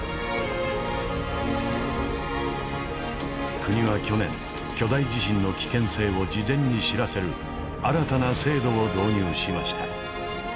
国は去年巨大地震の危険性を事前に知らせる新たな制度を導入しました。